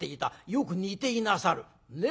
よく似ていなさる。ね？